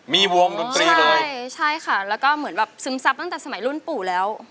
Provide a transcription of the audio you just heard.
มีวงดนตรีเลยใช่ใช่ค่ะแล้วก็เหมือนแบบซึมซับตั้งแต่สมัยรุ่นปู่แล้ว